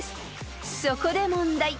［そこで問題］